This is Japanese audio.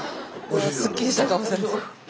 すっきりした顔されてる。